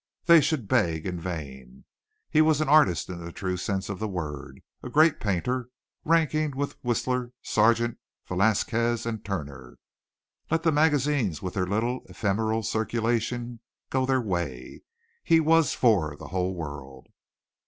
They should beg in vain. He was an artist in the true sense of the word a great painter, ranking with Whistler, Sargent, Velasquez and Turner. Let the magazines with their little ephemeral circulation go their way. He was for the whole world.